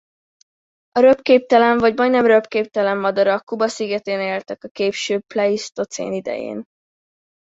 A röpképtelen vagy majdnem röpképtelen madarak Kuba szigetén éltek a késő pleisztocén idején.